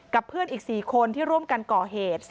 เพื่อนอีก๔คนที่ร่วมกันก่อเหตุ